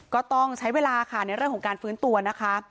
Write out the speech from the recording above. ก็ต้องใช้เวลาค่ะในเรื่องของการฟื้นตัวนะคะ